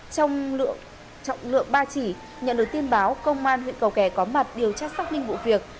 trong trọng lượng ba chỉ nhận được tin báo công an huyện cầu kè có mặt điều tra xác minh vụ việc